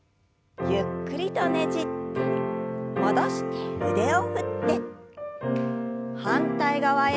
ゆっくりとねじって戻して腕を振って反対側へ。